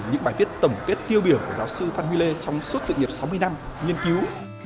những bài viết tổng kết tiêu biểu của giáo sư phan huy lê trong suốt sự nghiệp sáu mươi năm nghiên cứu